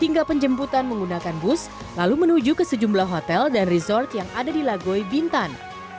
hingga penjemputan menggunakan bus lalu menuju ke sejumlah hotel dan resort yang ada di lagoy bintan